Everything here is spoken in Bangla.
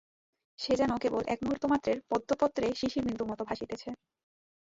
সে যেন কেবল এক মুহূর্ত-মাত্রের পদ্মপত্রে শিশিরবিন্দুর মতো ভাসিতেছে।